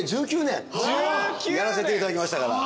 やらせていただきましたから。